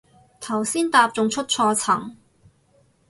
頭先搭仲出錯層